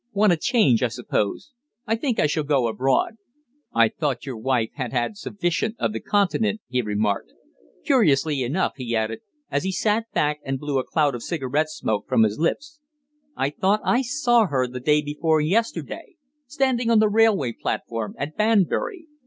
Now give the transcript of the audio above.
Want a change, I suppose. I think I shall go abroad." "I thought your wife had had sufficient of the Continent," he remarked. "Curiously enough," he added, as he sat back and blew a cloud of cigarette smoke from his lips, "I thought I saw her the day before yesterday standing on the railway platform at Banbury.